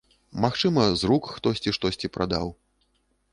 Магчыма, з рук хтосьці штосьці прадаў.